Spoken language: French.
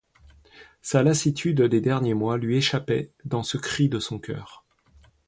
Sa lassitude des derniers mois lui échappait dans ce cri de son coeur.